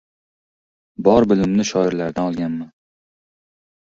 • Bor bilimimni shoirlardan olganman.